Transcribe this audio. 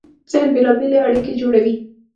ذهن بېلابېلې اړیکې جوړوي.